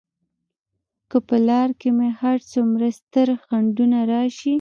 که په لار کې مې هر څومره ستر خنډونه راشي.